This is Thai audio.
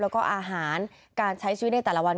แล้วก็อาหารการใช้ชีวิตในแต่ละวัน